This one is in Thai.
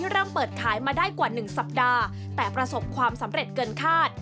และประสบความสำเร็จเกินขาด